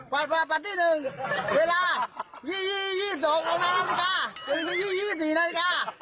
ปฏิบัติหนึ่งเวลา๒๒นาฬิกาถึง๒๔นาฬิกา